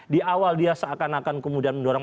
di awal dia seakan akan kemudian mendorong